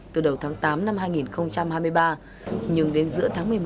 từ đầu tháng tám năm hai nghìn hai mươi ba